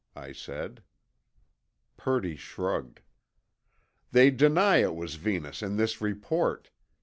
I said. Purdy shrugged. "They deny it was Venus in this report.